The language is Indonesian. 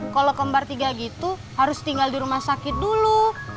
kalau kembar tiga gitu harus tinggal di rumah sakit dulu